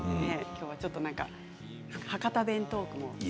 今日はちょっと博多弁トークも。